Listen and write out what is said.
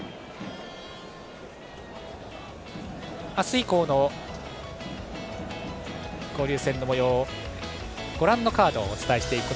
明日以降の交流戦のもようはご覧のカードをお伝えします。